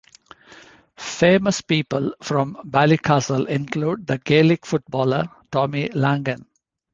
Famous people from Ballycastle include the Gaelic footballer Tommy Langan.